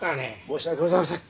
申し訳ございません。